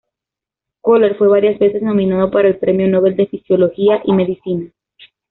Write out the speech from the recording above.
Koller fue varias veces nominado para el Premio Nobel de Fisiología y Medicina.